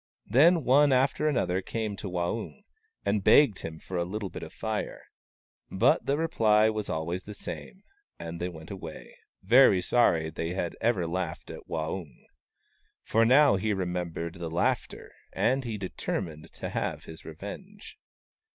Then one after another came to Waung, and begged him for a little bit of Fire. But the reply was always the same, and they went away, very sorry that they had ever laughed at Waung. For now he remem bered the laughter, and he determined to have his revenge.